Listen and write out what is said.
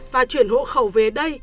và chuyển hộ khẩu về đây